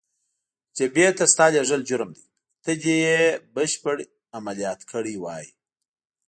جبهې ته ستا لېږل جرم دی، ته دې یې بشپړ عملیات کړی وای.